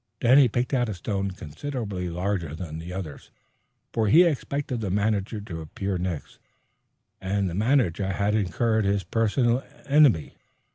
Danny picked out a stone considerably larger than the others, for he expected the manager to appear next, and the manager had incurred his personal enmity.